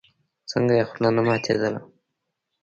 څنگه يې خوله نه ماتېدله.